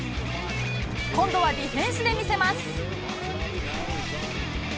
今度はディフェンスで見せます。